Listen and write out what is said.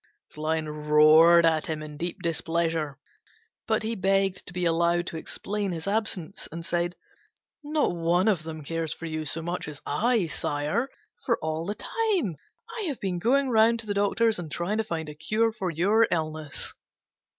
The Lion roared at him in deep displeasure, but he begged to be allowed to explain his absence, and said, "Not one of them cares for you so much as I, sire, for all the time I have been going round to the doctors and trying to find a cure for your illness."